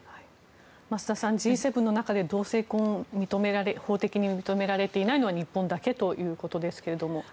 増田さんＧ７の中で同性婚が法的に認められていないのは日本だけということですけれど。